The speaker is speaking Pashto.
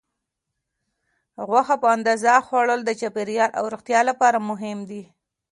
غوښه په اندازه خوړل د چاپیریال او روغتیا لپاره مهم دي.